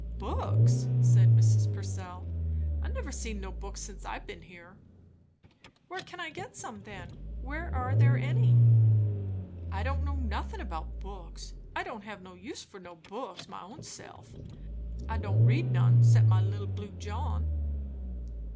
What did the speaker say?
"Books?" said Mrs. Purcell. "I've never seen no books since I've been here." "Where can I get some, then? Where are there any?" "I don't know nothin' about books. I don't have no use for no books, my own self. I don't read none 'cept my 'little blue John.'"